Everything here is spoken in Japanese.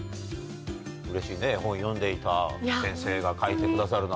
うれしいね絵本読んでいた先生が描いてくださるなんてね。